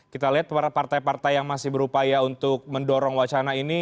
kita lihat para partai partai yang masih berupaya untuk mendorong wacana ini